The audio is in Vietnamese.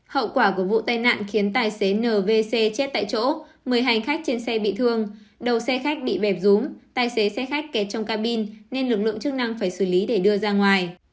hậu quả của vụ tai nạn khiến tài xế nvc chết tại chỗ một mươi hành khách trên xe bị thương đầu xe khách bị bẹp rúm tài xế xe khách kẹt trong cabin nên lực lượng chức năng phải xử lý để đưa ra ngoài